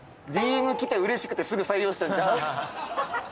ＤＭ来て嬉しくてすぐ採用したんちゃう？